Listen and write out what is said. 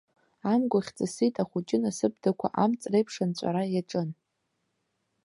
Амгәахь ҵысит, ахәыҷы насыԥдақәа амҵ реиԥш анҵәара иаҿын.